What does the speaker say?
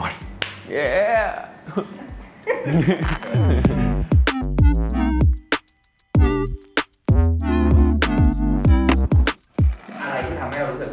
อะไรที่ทำให้เรารู้สึกว่าเราอยากถ่ายรูป